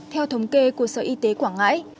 theo thống kê của sở y tế quảng ngãi